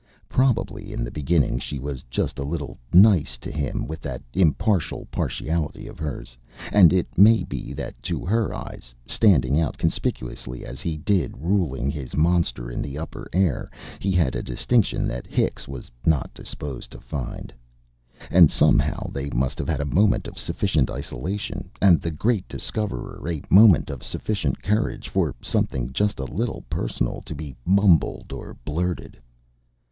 Probably in the beginning she was just a little "nice" to him with that impartial partiality of hers, and it may be that to her eyes, standing out conspicuously as he did ruling his monster in the upper air, he had a distinction that Hicks was not disposed to find. And somehow they must have had a moment of sufficient isolation, and the great Discoverer a moment of sufficient courage for something just a little personal to be mumbled or blurted.